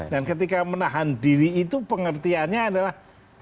dan ketika menahan diri itu pengertiannya adalah